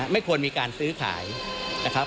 ไม่ควรมีการซื้อขายนะครับ